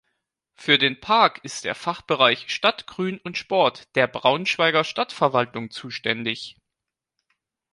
Für den Park ist der Fachbereich "Stadtgrün und Sport" der Braunschweiger Stadtverwaltung zuständig.